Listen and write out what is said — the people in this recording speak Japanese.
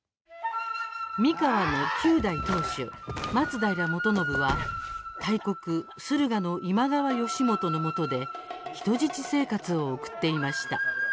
三河の九代当主、松平元信は大国、駿河の今川義元のもとで人質生活を送っていました。